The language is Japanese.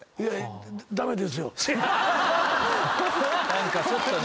何かちょっとね。